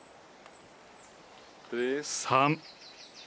３。